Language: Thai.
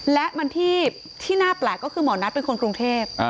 และมันที่น่าแปลกก็คือหมอนัทเป็นคนกรุงเทพ